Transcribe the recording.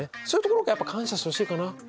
そういうところやっぱ感謝してほしいかな。